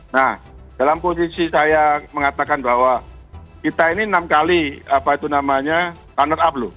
nah dalam posisi saya mengatakan bahwa kita ini enam kali runner up loh